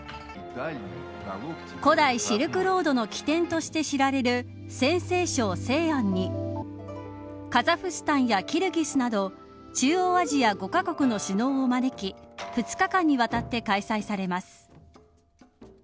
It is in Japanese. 古代シルクロードの起点として知られる陝西省西安にカザフスタンやキルギスなど中央アジア５カ国の首脳を招き２日間にわたって開催されます。